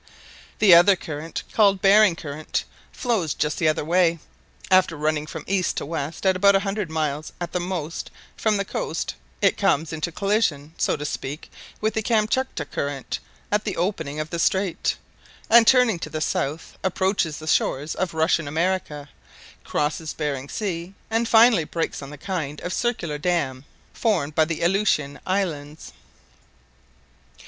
The other current, called Behring Current, flows just the other way. After running from east to west at about a hundred miles at the most from the coast, it comes into collision, so to speak, with the Kamtchatka Current at the opening of the strait, and turning to the south approaches the shores of Russian America, crosses Behring Sea, and finally breaks on the kind of circular dam formed by the Aleutian Islands.